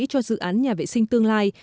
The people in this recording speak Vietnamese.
cho dự án nhà vệ sinh tương lai